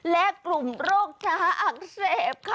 และกลุ่มโรคช้าอักเสบค่ะ